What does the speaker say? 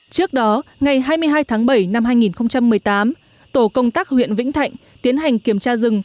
trước đó ngày hai mươi hai tháng bảy năm hai nghìn một mươi tám tổ công tác huyện vĩnh thạnh tiến hành kiểm tra rừng